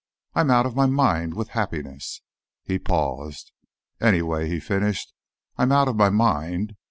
I'm out of my mind with happiness." He paused. "Anyway," he finished, "I'm out of my mind.